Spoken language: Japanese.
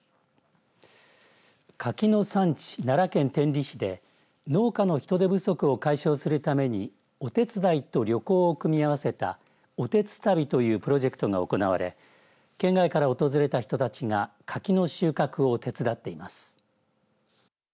柿の産地、奈良県天理市で農家の人手不足を解消するためにお手伝いと旅行を組み合わせたおてつたびというプロジェクトが行われ県外から訪れた人たちが柿の収穫を手伝っています。